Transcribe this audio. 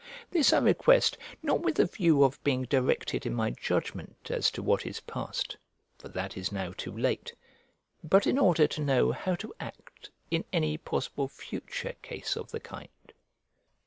This I request, not with a view of being directed in my judgment as to what is passed (for that is now too late), but in order to know how to act in any possible future case of the kind.